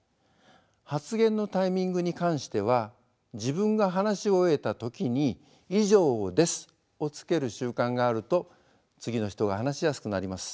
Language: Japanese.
発言のタイミングに関しては自分が話し終えた時に「以上です」をつける習慣があると次の人が話しやすくなります。